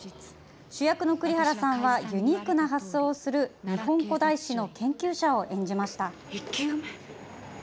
主役の栗原さんはユニークな発想をする日本古代史の研究者を演じました。